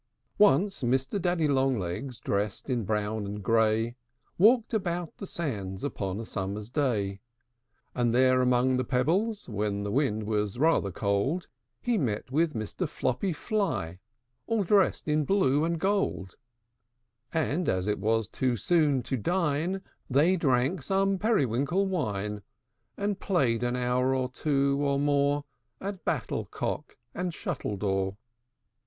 I. Once Mr. Daddy Long legs, Dressed in brown and gray, Walked about upon the sands Upon a summer's day: And there among the pebbles, When the wind was rather cold, He met with Mr. Floppy Fly, All dressed in blue and gold; And, as it was too soon to dine, They drank some periwinkle wine, And played an hour or two, or more, At battlecock and shuttledore.